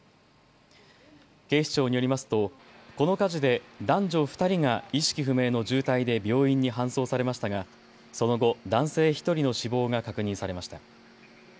警視庁によりますとこの火事で男女２人が意識不明の重体で病院に搬送されましたがその後、男性１人の死亡が確認されました。